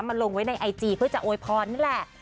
ลงไว้ในไอจีเพื่อจะโวยพรนี่แหละ